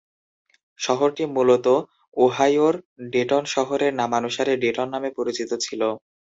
শহরটি মূলত ওহাইওর ডেটন শহরের নামানুসারে ডেটন নামে পরিচিত ছিল।